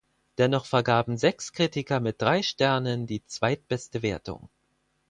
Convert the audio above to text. Dennoch vergaben sechs Kritiker mit drei Sternen die zweitbeste Wertung.